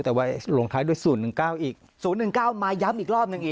แต่ว่าลงท้ายด้วยศูนย์หนึ่งเก้าอีกศูนย์หนึ่งเก้ามาย้ำอีกรอบหนึ่งอีก